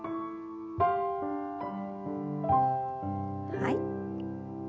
はい。